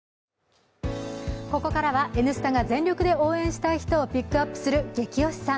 ここからは「Ｎスタ」が全力で応援したい人をピックアップするゲキ推しさん。